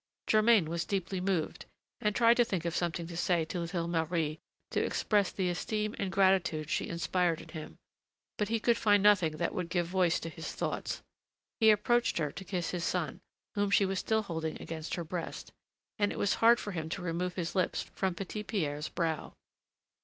Germain was deeply moved, and tried to think of something to say to little Marie to express the esteem and gratitude she inspired in him, but he could find nothing that would give voice to his thoughts. He approached her to kiss his son, whom she was still holding against her breast, and it was hard for him to remove his lips from Petit Pierre's brow.